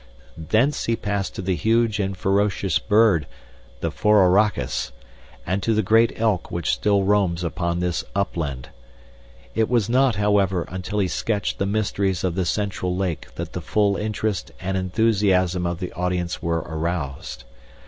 Thence he passed to the huge and ferocious bird, the phororachus, and to the great elk which still roams upon this upland. It was not, however, until he sketched the mysteries of the central lake that the full interest and enthusiasm of the audience were aroused.